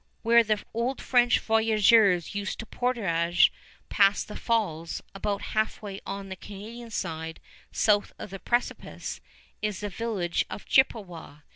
Where the old French voyageurs used to portage past the Falls, about halfway on the Canadian side south of the precipice, is the village of Chippewa.